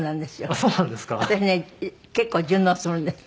私ね結構順応するんです。